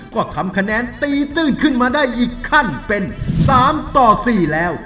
ก็ทำคะแนนตีตื้นขึ้นมาได้อีกขั้นเป็น๓ต่อ๔แล้ว